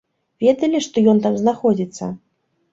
Ведалі, што ён там знаходзіцца?